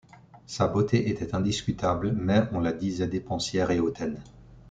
Sa beauté était indiscutable, mais on la disait dépensière et hautaine.